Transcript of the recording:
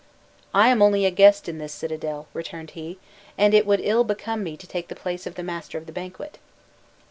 "I am only a guest in this citadel," returned he; "and it would ill become me to take the place of the master of the banquet."